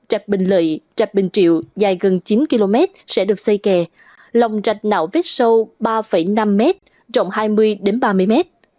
rạch bình lợi rạch bình triệu dài gần chín km sẽ được xây kè lòng rạch nảo vết sâu ba năm m trọng hai mươi ba mươi m